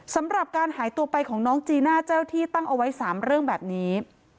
สำหรับการหายตัวไปของน้องจีน่าเจ้าที่ตั้งเอาไว้๓เรื่องแบบนี้